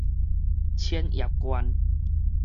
千葉縣